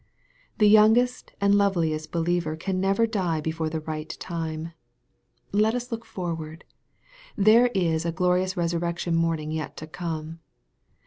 The youngest and loveliest believer can never die before the right time. Let us look forward. There is a glorious resurrection morning yet to come.